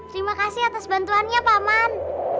terima kasih atas bantuannya paman